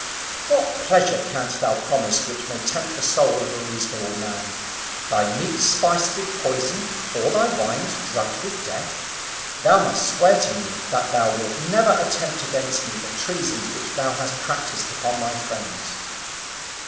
What pleasure canst thou promise which may tempt the soul of a reasonable man? Thy meats, spiced with poison; or thy wines, drugged with death? Thou must swear to me that thou wilt never attempt against me the treasons which thou hast practised upon my friends."